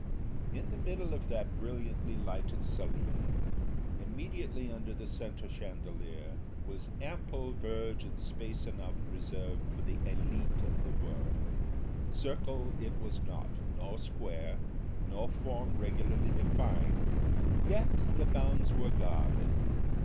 In the middle of that brilliantly lighted saloon, immediately under the centre chandelier, was ample verge and space enough reserved for the élite of the world; circle it was not, nor square, nor form regularly defined, yet the bounds were guarded.